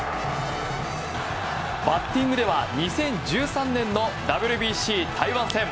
バッティングでは２０１３年のＷＢＣ台湾戦。